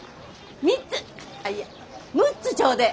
３つあっいや６つちょうでえ。